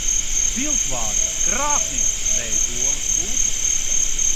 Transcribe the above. Viltvārdis krāpnieks dēj olas kūtī.